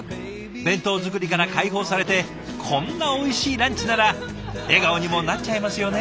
弁当作りから解放されてこんなおいしいランチなら笑顔にもなっちゃいますよね。